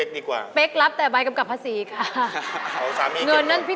โถกลับบ้านมือเปล่านะนี่